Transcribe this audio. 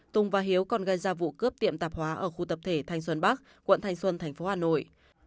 tùng và hiếu còn gây ra vụ cướp tiệm tạp hóa ở khu tập thể thanh xuân bắc quận thanh xuân thành phố hà nội